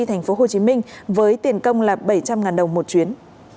thành phố hồ chí minh với tiền công là bảy trăm linh đồng một chuyến